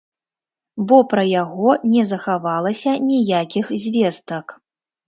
Бо пра яго не захавалася ніякіх звестак.